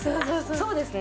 そうですね。